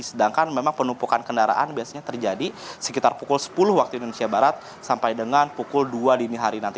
sedangkan memang penumpukan kendaraan biasanya terjadi sekitar pukul sepuluh waktu indonesia barat sampai dengan pukul dua dini hari nanti